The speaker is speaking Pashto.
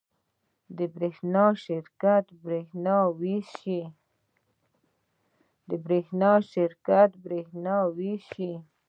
د برښنا شرکت بریښنا ویشي